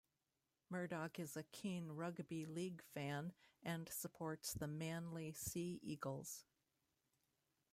Murdoch is a keen rugby league fan and supports the Manly Sea Eagles.